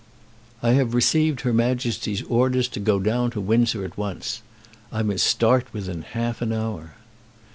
"I have received her Majesty's orders to go down to Windsor at once. I must start within half an hour."